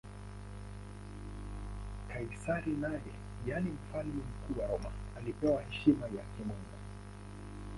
Kaisari naye, yaani Mfalme Mkuu wa Roma, alipewa heshima ya kimungu.